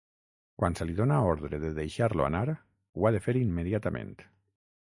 Quan se li dóna l'ordre de deixar-lo anar, ho ha de fer immediatament.